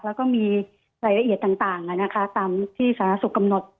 แล้วก็มีรายละเอียดต่างตามที่สาธารณสุขกำหนด